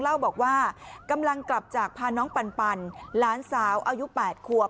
เล่าบอกว่ากำลังกลับจากพาน้องปันหลานสาวอายุ๘ควบ